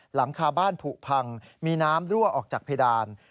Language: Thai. หลังคาบ้านผูพังมีน้ำรั่วออกจากเพดาน